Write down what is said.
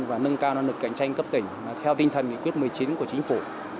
và nâng cao năng lực cạnh tranh cấp tỉnh theo tinh thần nghị quyết một mươi chín của chính phủ